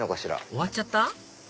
終わっちゃった？